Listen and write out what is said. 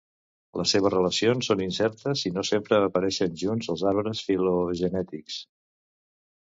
Les seves relacions són incertes i no sempre apareixen junts als arbres filogenètics.